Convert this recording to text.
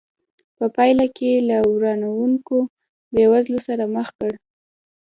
په پایله کې له ورانوونکې بېوزلۍ سره مخ کړ.